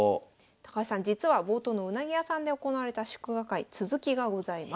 高橋さん実は冒頭のうなぎ屋さんで行われた祝賀会続きがございます。